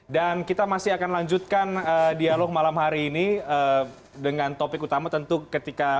dan kita masih akan lanjutkan dialog malam hari ini dengan topik utama tentu ketika